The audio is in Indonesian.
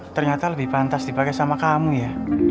ternyata lebih pantas dipakai sama kamu ya